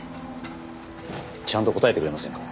ちゃんと答えてくれませんか？